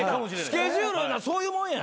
スケジュールそういうもんや。